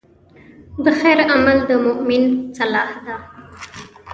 د خیر عمل د مؤمن سلاح ده.